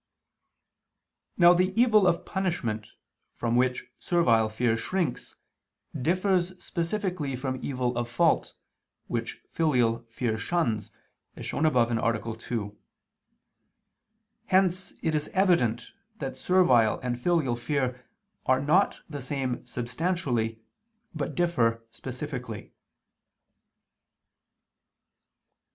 Now the evil of punishment, from which servile fear shrinks, differs specifically from evil of fault, which filial fear shuns, as shown above (A. 2). Hence it is evident that servile and filial fear are not the same substantially but differ specifically.